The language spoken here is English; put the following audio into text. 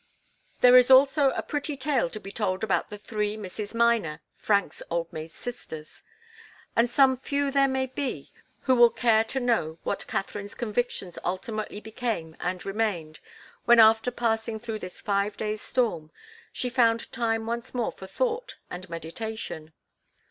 There is also a pretty little tale to be told about the three Misses Miner, Frank's old maid sisters. And some few there may be who will care to know what Katharine's convictions ultimately became and remained, when, after passing through this five days' storm, she found time once more for thought and meditation.